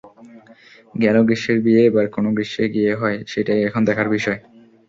গেল গ্রীষ্মের বিয়ে এবার কোন গ্রীষ্মে গিয়ে হয়, সেটাই এখন দেখার বিষয়।